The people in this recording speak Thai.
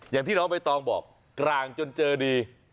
อย่างที่น้องใบตองบอกกลางจนเจอดี